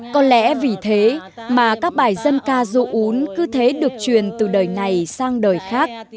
có lẽ vì thế mà các bài dân ca dụ ún cứ thế được truyền từ đời này sang đời khác